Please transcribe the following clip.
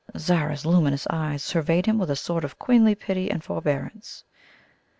Zara's luminous eyes surveyed him with a sort of queenly pity and forbearance.